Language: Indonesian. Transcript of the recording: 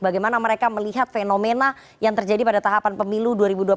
bagaimana mereka melihat fenomena yang terjadi pada tahapan pemilu dua ribu dua puluh